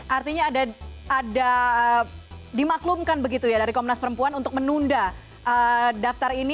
artinya ada dimaklumkan begitu ya dari komnas perempuan untuk menunda daftar ini